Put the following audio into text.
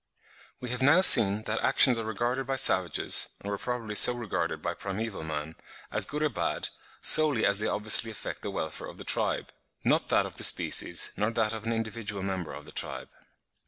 We have now seen that actions are regarded by savages, and were probably so regarded by primeval man, as good or bad, solely as they obviously affect the welfare of the tribe,—not that of the species, nor that of an individual member of the tribe.